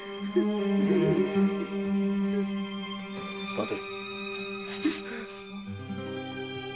立て！